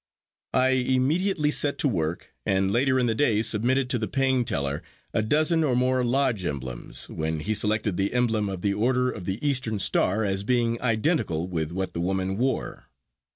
I immediately set to work, and later in the day submitted to the paying teller a dozen or more lodge emblems, when he selected the emblem of the Order of the Eastern Star as being identical with what the woman wore.